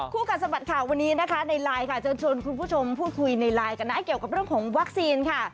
กัดสะบัดข่าววันนี้นะคะในไลน์ค่ะจะชวนคุณผู้ชมพูดคุยในไลน์กันนะเกี่ยวกับเรื่องของวัคซีนค่ะ